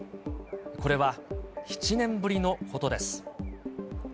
これは７年ぶりのことです。